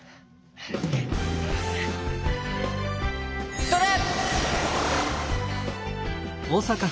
ストレッ！